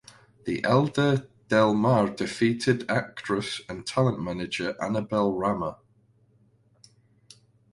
The elder Del Mar defeated actress and talent manager Annabelle Rama.